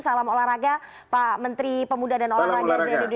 salam olahraga pak menteri pemuda dan olahraga zaiduddin ammali